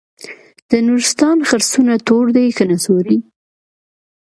د نورستان خرسونه تور دي که نسواري؟